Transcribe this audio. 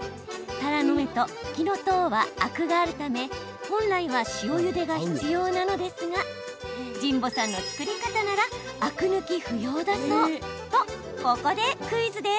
たらの芽とふきのとうはアクがあるため本来は塩ゆでが必要なのですが神保さんの作り方ならアク抜き不要だそう。とここでクイズです。